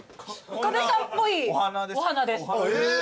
岡部さんっぽいお花です。